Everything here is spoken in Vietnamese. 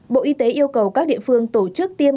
bộ y tế yêu cầu các địa phương tổ chức tiêm